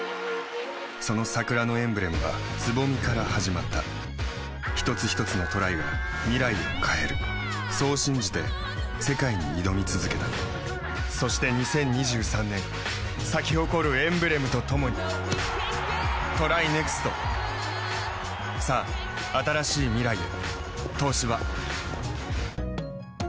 その桜のエンブレムは蕾から始まった一つひとつのトライが未来を変えるそう信じて世界に挑み続けたそして２０２３年咲き誇るエンブレムとともにＴＲＹＮＥＸＴさあ、新しい未来へ。